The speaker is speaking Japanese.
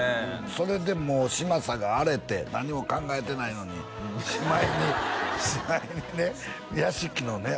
それでもう嶋佐が荒れて何も考えてないのにしまいにしまいにね屋敷のね